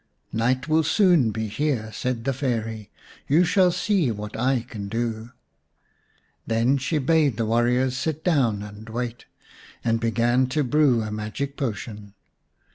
" Night will soon be here," said the Fairy. " You shall see what I can do." Then she bade the warriors sit down and wait, and began to brew a magic potion.